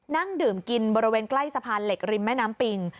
นั่งดื่มกินบริเวณใกล้สะพานเหล็กริมแม่น้ำปิง